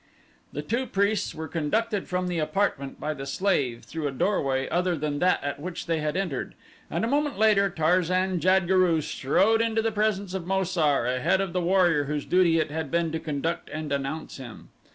The two priests were conducted from the apartment by the slave through a doorway other than that at which they had entered, and a moment later Tarzan jad guru strode into the presence of Mo sar, ahead of the warrior whose duty it had been to conduct and announce him.